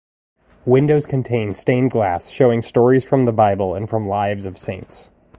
Windows contain stained glass, showing stories from the Bible and from lives of saints.